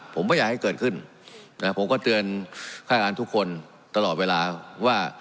ผมไม่อยากให้เกิดขึ้นนะผมก็เตือนค่าการทุกคนตลอดเวลาว่า